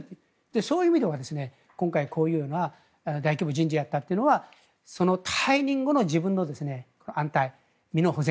そういう意味では今回、こういうような大規模人事だったというのはその退任後の自分の安泰身の保全。